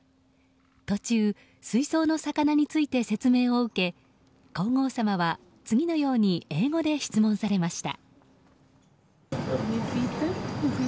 途中、水槽の魚について説明を受け皇后さまは次のように英語で質問されました。